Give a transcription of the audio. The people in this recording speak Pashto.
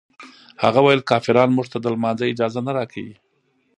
هغه ویل کافران موږ ته د لمانځه اجازه نه راکوي.